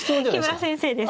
木村先生です。